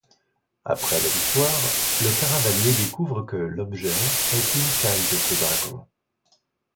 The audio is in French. Après la victoire, le Caravanier découvre que l'Objet est une écaille de ce dragon.